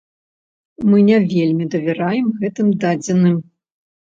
Мы не вельмі давяраем гэтым дадзеным.